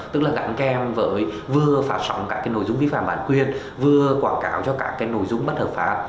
tức là gắn kèm với vừa phát sóng các nội dung vi phạm bản quyền vừa quảng cáo cho các nội dung bất hợp pháp